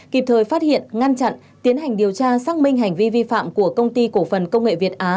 kịp thời phát hiện ngăn chặn tiến hành điều tra xác minh hành vi vi phạm của công ty cổ phần công nghệ việt á